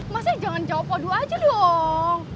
masnya jangan jawab waduh aja dong